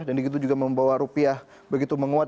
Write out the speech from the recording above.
dan itu juga membawa rp begitu menguat